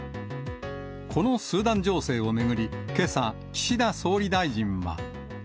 このスーダン情勢を巡り、けさ、岸田総理大臣は。